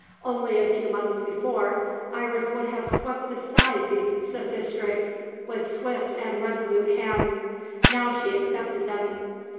Only a few months before, Iris would have swept aside these sophistrics with swift and resolute hand. Now she accepted them.